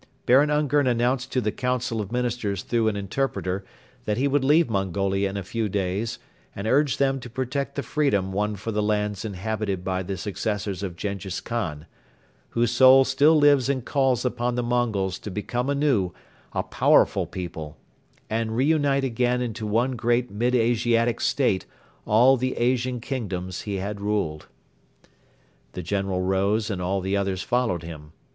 Baron Ungern announced to the Council of Ministers through an interpreter that he would leave Mongolia in a few days and urged them to protect the freedom won for the lands inhabited by the successors of Jenghiz Khan, whose soul still lives and calls upon the Mongols to become anew a powerful people and reunite again into one great Mid Asiatic State all the Asian kingdoms he had ruled. The General rose and all the others followed him.